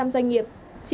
một trăm linh doanh nghiệp